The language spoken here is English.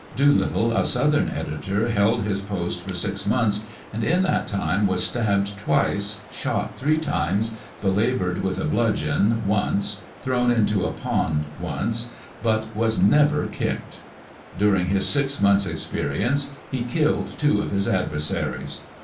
Doolittle, a Southern editor, held his post for six months, and in that time was stabbed twice, shot three times, belaboured with a bludgeon once, thrown into a pond once, but was never kicked. During his six months' ex perience he killed two of his adversaries.